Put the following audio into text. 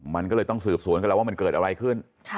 มันก็เลยต้องสืบสวนกันแล้วว่ามันเกิดอะไรขึ้น